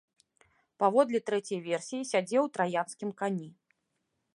Паводле трэцяй версіі, сядзеў у траянскім кані.